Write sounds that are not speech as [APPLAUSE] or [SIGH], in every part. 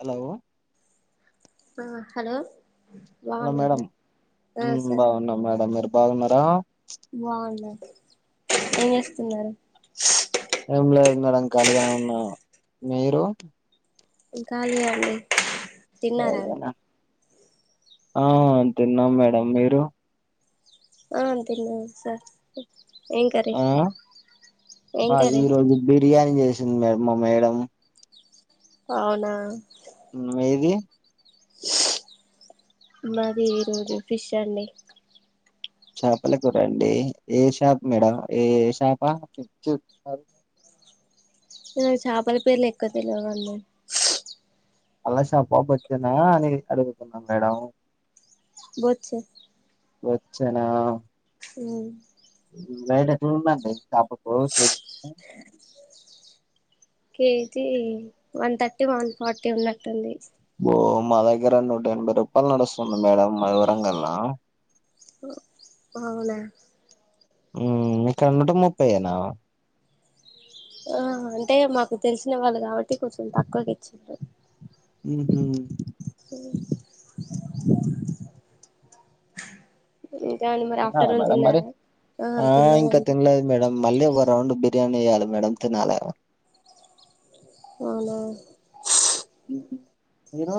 Hello! ఆ hello hello బాగున్నారా madam ఆ హ్మ్ బాగున్నా మేడం మీరు బాగున్నారా బాగున్నాను ఏం చేస్తున్నారు. ఏం లేదు మేడం ఖాళీగా ఉన్న మీరు హ్మ్ ఖాళీయే అండి తిన్నారా!? ఖాళీగానా? ఆ తిన్నాం మేడం మీరు ఆ తిన్నాం సార్ ఏం కర్రీ ఆ ఏం మాది కర్రీ ఈరోజు బిర్యానీ చేసింది మా మేడం అవునా మీది మాది ఈరోజు ఫిష్ అండి చాపల కూరండి ఏ షాప్ మేడం ఏ షాపా న [INAUDIBLE] చాపల పేర్లు ఎక్కువ తెలవడండి అల్లా శాప బొద్దునా అని అడుగుతున్నా మేడం బొచ్చు బొచ్చ నా హ్మ్ బయటా ఎట్లుందండి కాపుకు KG one thirty one forty ఉన్నట్టుంది బో మా దగ్గర నూటఎనభై రూపాల్ నడుస్తుంది మేడం మా వరంగళ్ల హో అవునా హ్మ్ ఇక్కడ్ నూట ముప్పైయేనా ఆ అంటే మాకు తెలిసిన వాళ్ళు కాబట్టి కొంచెం తక్కువకి ఇచ్చిర్రు ఊహూ హు మరి తిన్నారా ఆఫ్టర్నూన్ మేడం మరి తిన్నారా ఆ ఇంకా తినలేదు మేడం మళ్ళీ ఒగ రౌండ్ బిర్యానీ ఏయలే మేడం తినాలె అవునా మీరు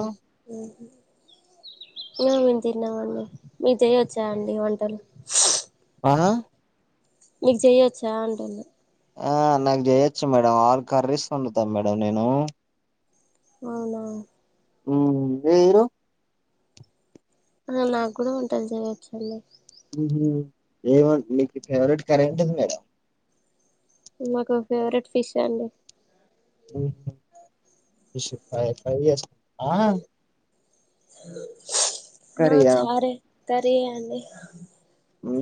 ఊహు హ్మ్ మేము తిన్నామండి మీరు చేయొచ్చా అండి వంటలు వా మీకు చేయొచ్చా అంటున్న ఆ నాకు చేయొచ్చు మేడం ఆల్ కర్రీస్ వండుతా మేడం నేను అవునా హ్మ్ ఏ హీరో ఆ నాక్కూడా వంటలు చేయోచ్చండి ఊహు ఏమ మీకు ఫేవరెట్ కర్రీ ఏంటిది మేడం నాకు ఫేవరెట్ ఫిష్ అండి ఊహు ఫిష్ ఫ్రై ఫ్రై చేసుకుంరా ఆ కర్రీయా చారే కర్రీ ఆ అండి ఊ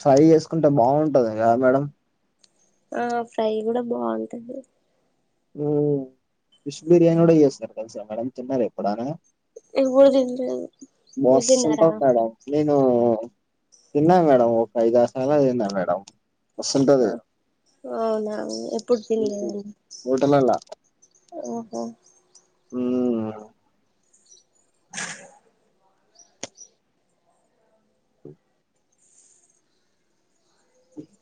ఫ్రై చేసుకుంటే బాంటది గా మేడం ఆ ఫ్రై కూడా బాంటది హూ ఫిష్ బిర్యానీ కూడా చేస్తారు తెల్సా మేడం తిన్నారా ఎప్పుడైనా ఎప్పుడు తినలేదు మీరు మస్త్ తిన్నారా ఉంటది మేడం నో తిన్నా మేడం ఒక ఐదు ఆరు సార్లు అయినా తిన్నా మేడం మస్తుంటది ఆహ్ అవునా ఎప్పుడు తినలేదండి హోటలల్లా ఓహో హ్మ్ [INAUDIBLE]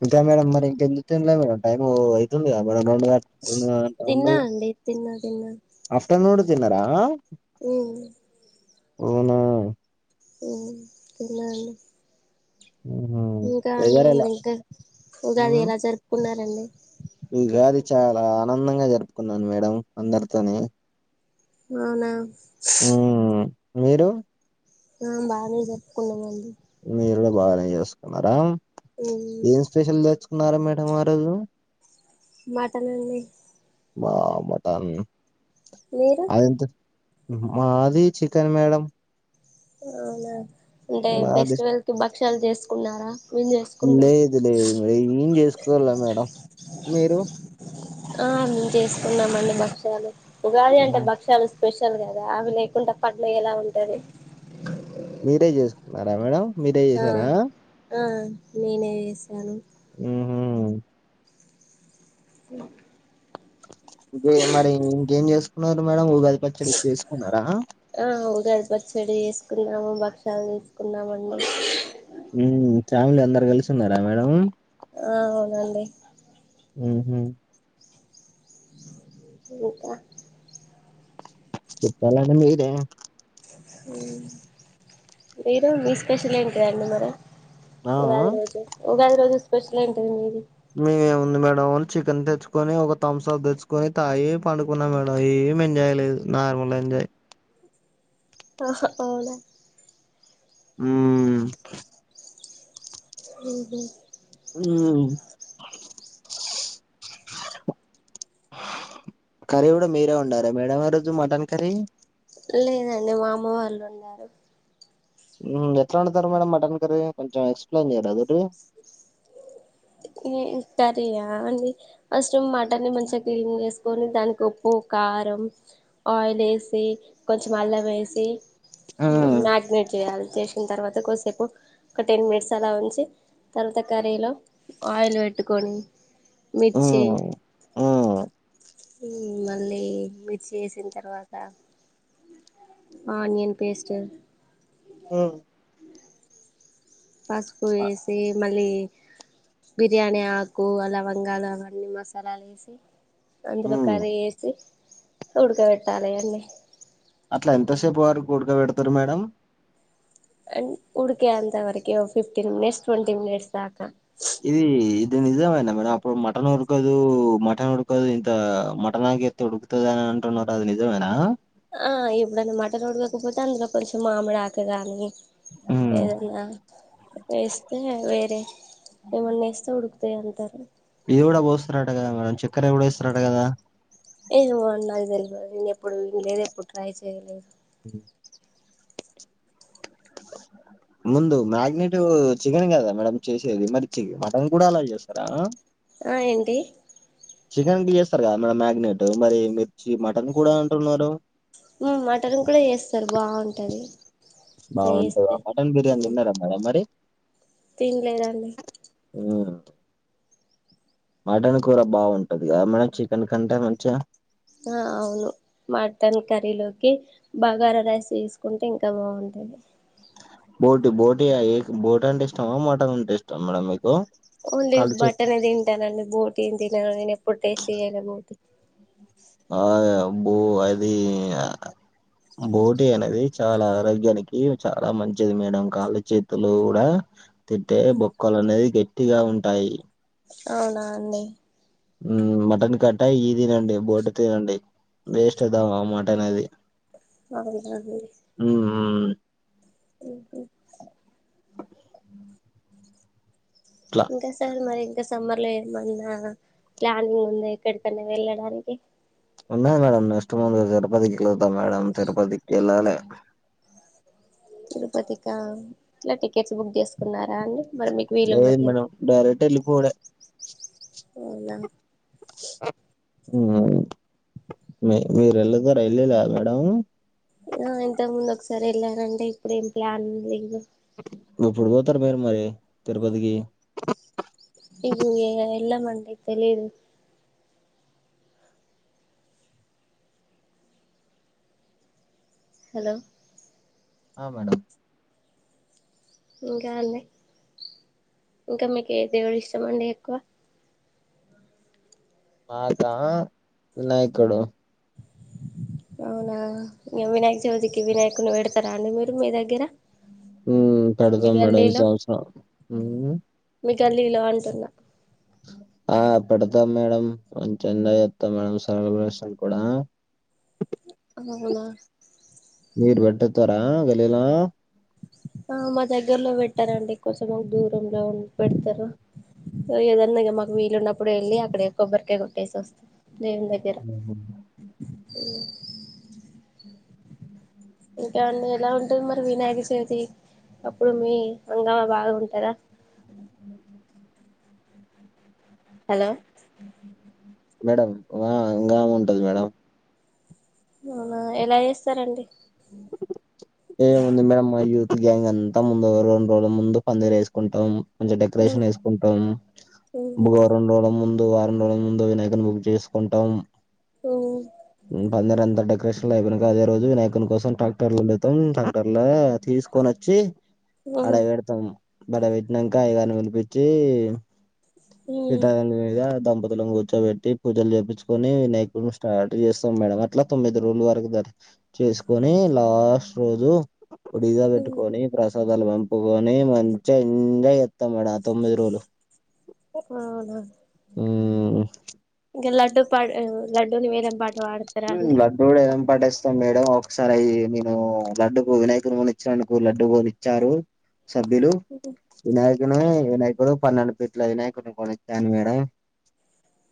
ఇంకా మేడం మరి ఇంకెందుకు తిన్లే మేడం టైమ్ అయితుంది గద మేడం రెండు గం రెండున్నర గంట రొండు తిన్నా అండి తిన్నా ఆఫ్టర్నూన్ తిన్నారా హు అవునా హూ తినాలి మ్మ్ ఇంకా అండి వెదర్ ఎలా మరి ఇంకా ఉగాది మ్మ్ ఎలా జరుపుకున్నారండి ఉగాది చాలా ఆనందంగా జరుపుకున్నాను మేడం అందరితోని అవునా ఉమ్ మీరు ఆ బానే జరుపుకున్నామండి మీరు కూడా బాగానే చేసుకున్నారా ఏం స్పెషల్ తెచ్చు కున్నారు మేడం ఆ రోజు మటన్ అండి బా మటన్ మీరు అదెంత ఉహూ మాది చికెన్ మేడం అవునా అంటే మాది ఫెస్టివల్ కి భక్ష్యాలు చేసుకున్నారా మేం చేసుకున్నాం లేదు లేదు మేడం, ఏం చేసుకోలే మేడం మీరు ఆ మేము చేసుకున్నామండి భక్ష్యాలు ఉగాది ఉహు. అంటే భక్ష్యాలు స్పెషల్ కదా అవి లేకుండా పండగ ఎలా ఉంటది మీరే చేసుకున్నారా మేడం మీరే ఆ చేసారా ఆ నేనే చేసాను ఉహూ ఉమ్ బే మరి ఇంకేం చేసుకున్నారు మేడం ఉ ఆ ఉగాది పచ్చడి చేసు కున్నాము భక్ష్యాలు చేసుకున్నామండి ఉమ్ ఫ్యామిలీ అందరు కలిసి ఉన్నారా మేడం ఆ అవునండి ఉహూ ఇంకా చెప్పాలండి మీరే ఉమ్ మీరు మీ స్పెషల్ ఏంటిదండి మరి ఆ ఉగాది రోజు ఉగాది రోజు స్పెషల్ ఏంటిది మీది మేము ఏముంది మేడం చికెన్ తెచ్చుకొని ఒక తంసప్ తెచ్చుకొని తాగి పండుకున్నా మేడం ఈ ఏం ఎంజాయ్ లేదు నార్మల్ ఎంజాయ్ ఆహా అవునా ఉమ్ ఉహూ ఉమ్ కర్రీ కూడా మీరే వండారా మేడం ఆ రోజు మటన్ కర్రీ లేదండి మా అమ్మ వాళ్ళు వండారు ఉమ్ ఎట్లా వండుతారు మేడం మటన్ కర్రీ కొంచెం ఎక్స్ప్లెయిన్ చేయ్యరాదు మరి ఏ కర్రీయా అండి ఫస్ట్ మటన్ ని మంచిగా క్లీన్ చేసుకొని దానికి ఉప్పు కార్ రం ఆయిలేసి కొంచెం అల్లం వేసి ఉమ్ మ్మ్ మ్యారినేట్ చేయాలి చేసి న తర్వాత కొద్దిసేపు ఒక టెన్ మినెట్స్ అలా ఉంచి తర్వాత కర్రీలో ఆయిల్ పెట్టుకొని మిర్చి ఉమ్ మళ్ళీ మిర్చి వేసిన తర్వాత ఆనియన్ పేస్ట్ పసుపు వేసి మళ్ళీ బిర్యానీ ఆకు లవంగాలు అవన్నీ మసాలాలు వేసి అందులో మ్మ్ కర్రీ వేసి ఉడకబెట్టాలి అన్నీ అట్లా ఎంతసేపు వరకు ఉడక పెడతరు మేడం అం ఉడికెంతవరకు ఫిఫ్టీన్ మినిట్స్ ట్వంటీ మినిట్స్ దాకా ఇది ఇది నిజమేన మేడం అప్పుడు మటన్ ఉడకదు మటన్ ఉడకదు ఇంత మటన గే ఎత్తె ఉడుకుతుదనీ అంటున్నరు అది నిజమేనా ఆ ఎప్పుడైన మటన్ ఉడకోకపోతే అందులో కొంచెం మామిడి ఆకుగానీ మ్మ్ ఏదన్న వేస్తే వేరే ఏమన్నా ఏస్తే ఉుడుకుతయి అం ఇది కూడ పోస్తరట కదా మేడం చక్కర కూడ ఎస్తారట కదా ఏమోండి నాకు తెలియదు నేను ఎప్పుడు విన్లేదు ఎప్పుడు ట్రై చేయలేదు. ముందు మాగ్నెటు చికెన్ కదా మేడం చేసేది మరి చి మటన్ కూడ అలా చేస్తారా ఆ ఏంటి చికెన్ కి చేస్తరు కదా మేడం మ్యాగ్నెట్ మరి మిర్చి మటన్ కూడ అంటున్నారు. హ్మ్ మటన్ కూడ చేస్తరు బాగుంటది. ఇట్లా బాగుంటద చేస్తే మటన్ బిర్యానీ తిన్నార మేడం మరి తిన్లేదండి హు మటన్ కూర బాగుంటది కదా మేడం చికెన్ కంటే మంచిగ ఆ అవును మటన్ కర్రీలోకి బగార రైస్ చేసుకుంటే ఇంకా బాగుంటుది బోటు బోటు బోటి అంటే ఇష్టామా మోటన్ అంటే ఇష్టమ మేడం మీకు ఓన్లీ కాలుచే మట్టనే తింటానండి బోటీని తినాను నేను ఎప్పుడు టేస్ట్ చేయను బోటీ ఆ బో అది బోటీ అనేది చాల ఆరోగ్యానికి చాల మంచిది మేడం కాళ్ళు చేతులు కూడ తింటే బొక్కలు అనేది గట్టిగ ఉంటాయి అవునా అండి మటన్ కంటే ఈ తినండి బోటి తినండి వెస్ట్ ఎ ద మటన్ ఆది అవునా అండి హు హు హు ఇట్లా ఇంకా సార్ మరి ఇంకా సమ్మర్ లో ఏమన్న ప్లానింగ్ ఉంద ఎక్కడికన్నా వెళ్ళడానికి ఉన్నాయి మేడమ్ నెక్స్ట్ మంత్ తిరుపతికి [UNINTELLIGIBLE] మేడమ్ తిరుపతికి ఎలాలి తిరుపతికా ఇట్ల టికెట్స్ బుక్ చేసుకున్నా లేదు మనం డైరెక్ట్ వెళ్ళిపోవుడే అవునా హు మీ మీరూ [UNINTELLIGIBLE] వెళ్ళ లే మేడమ్ ఇంతకు ముందు ఒకసారి [UNINTELLIGIBLE] ఇప్పుడు ఏం ప్లాన్ లేదు ఎప్పుడు పోతారు మీరు మరి తిరుపతికి [UNINTELLIGIBLE] ఎల్లమండి తెలీదు హలో ఆ మేడం ఇంకా అండి ఇంక మీకు ఏ దేవుడు ఇష్టమండిఎక్కువ నాక వినాయకుడు అవునా ఇ వినాయక చవితికి వినాయకుని పెడతార అండి మీరు మీ దగ్గర హు మీ పెడతాం మేడం ఈ గల్లీలో సంవత్సరం [UNINTELLIGIBLE] అంటున్నా ఆ పెడతాం మేడం [UNINTELLIGIBLE] చేస్తాం మేడం [UNINTELLIGIBLE] కూడ అవునా మీరు పెట్టి వచ్చారా వెళలా ఆ మా దగ్గరలో పెట్టారండి కొంచెం దూరంలో ఉ పెడతారు ఏదన్నా ఇ మాకు వీళ్లు ఉన్నప్పుడు వెళ్ళి అక్కడ కొబ్బరికాయ కొట్టేసి వస్తారు. దేవుని దగ్గర ఇంకా అండి ఎలా ఉంటుది మరి వినాయక చవితి అప్పుడు మీ హంగమా బాగా ఉంటాదా, [UNINTELLIGIBLE] హలో మేడం ఆ హగామ ఉంటది మేడం, అవునా ఎలా చేస్తారండి. [UNINTELLIGIBLE] ఏముంది మేడం మా యూత్ గ్యాంగ్ అంతా ముందు రెండు రోజుల ముందు పందిలు వేసుకుంటాం, మంచి ఉ డెకరేషన్ వేసుకుంటాము ఉ బుగరెండు రోజుల ముందు వారం రోజుల ముందు వినాయకని బుక్ చేసుకుంటాం, ఓ పందిరి అంత డెకరేషన్ లో అయిపోన అదే రోజు వినాయకుని కోసం ట్రాక్టర్లు పోతాం ట్రాక్టర్ లా తీసుకొనోచ్చి ఆడ ఉ పెడతాం ఆడ పెట్టినాక అయ్యగారిని పిలిపించి, ఉ పీఠాలమీద దంపతులను కూర్చోబెట్టి పూజలు చేపించుకొని వినాయకుని స్టార్ట్ చేస్తాం మేడం అట్లా తొమ్మిది రోజుల వరకు జర చేసుకొని లాస్ట్ రోజు ఒ డిజే పెట్టుకొని ప్ర సోదలు పంపుకొని మంచిగా ఎంజాయ్ చేస్తాం మేడం ఆ తొమ్మిది రోజులు, ఆహ ఊ ఇంకా లడ్డు పాడ్ లడ్డూని వేలం పాట. పాడతారా హు అండి లడ్డు కూడా వేలం పాటేస్తాం మే ఒకసారి అయి నేను లడ్డూకు వినాయకు కొనిచ్చినందుకు లడ్డు కొనిచ్చారు. సభ్యులు వినాయకుని వినాయకుడు పన్నెండు పిట్ల వినాయకుని కొనిచ్చాను మేడం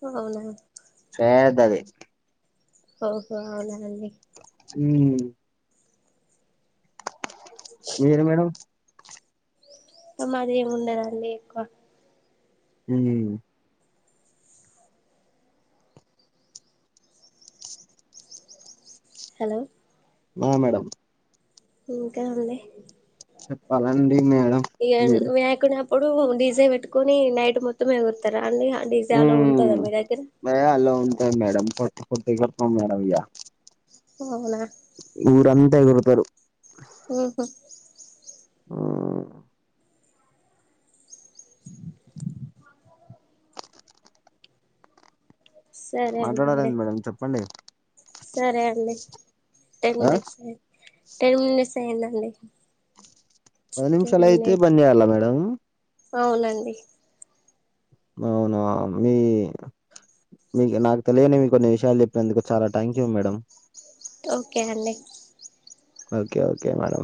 అవునా [UNINTELLIGIBLE] ఓహో అవునా అండి హుమ్ మీరు మేడం మాది ఏమి ఉండదండి ఎక్కువ ఉ హలో ఆ మేడం ఇంకా అండి చెప్పాలండి మేడం ఇక మీరే వినాయకుని అప్పుడు డీజే పెట్టుకొని నైట్ మొత్తం ఎగురుతారా అండి, డీజే హు అలో ఉంటుందా మీ దగ్గర మేడలో ఉంటాయి మేడం పోట్ పోటి ఎగుర్తం మేడం ఇగా ఓ అవునా ఎగురుతారు. ఉహు ఉ సరే అండి మరి మాట్లాడారేండి మేడం చెప్పండి సరే అండి టెన్ ఆ మినిట్స్ టెన్ మినిట్స్ అయినా అండి పది నిమిషాలయితే బంద్ చేయాలా మేడం అవునండి, అవునా మీ మీకు నాకు తెలియనివి కొన్ని విషయాలు చెప్పినందుకు చాలా థ్యాంక్ యూ మేడం. ఓకే అండి ఓకే ఓకే మేడం